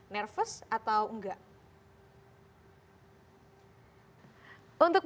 nervous atau enggak